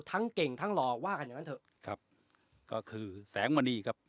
ทั้งเก่งทั้งหล่อว่ากันอย่างนั้นเถอะครับก็คือแสงมณีครับ